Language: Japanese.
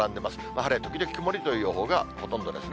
晴れ時々曇りという予報がほとんどですね。